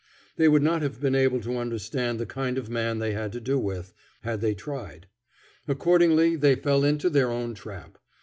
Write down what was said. They would not have been able to understand the kind of man they had to do with, had they tried. Accordingly they fell into their own trap.